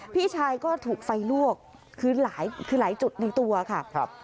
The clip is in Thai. พี่ชายก็ถูกไฟลวกคือหลายจุดในตัวค่ะ